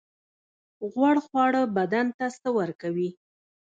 غوړ خواړه بدن ته څه ورکوي؟